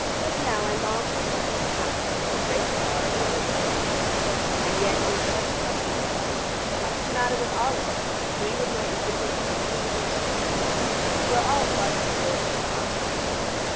Just now I long for something to happen which will break the bars or open my cage. And yet it is such a comfortable one. That's the matter with all of us, me with my egotism, and you with your school feasts. We're all far too cosy and prosperous.